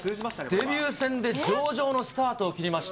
デビュー戦で上々のスタートを切りました。